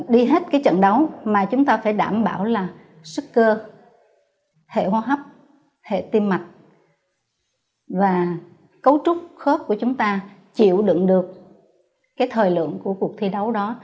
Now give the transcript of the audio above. đi hết cái trận đấu mà chúng ta phải đảm bảo là sức cơ hệ hô hấp hệ tim mạch và cấu trúc khớp của chúng ta chịu đựng được cái thời lượng của cuộc thi đấu đó